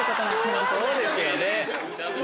そうですよね。